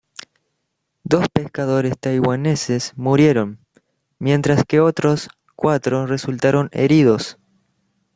Dos pescadores taiwaneses murieron, mientras que otros cuatro resultaron heridos.